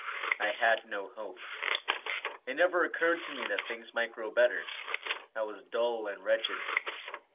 I had no hope. It never occurred to me that things might grow better. I was dull and wretched.